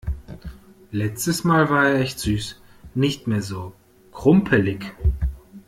Letztes mal war er echt süß. Nicht mehr so krumpelig.